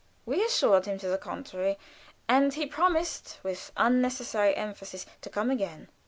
We assured him to the contrary, and he promised, with unnecessary emphasis, to come again.